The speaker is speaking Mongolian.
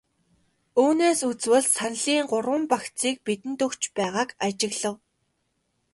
Үүнээс үзвэл саналын гурван багцыг бидэнд өгч байгааг ажиглав.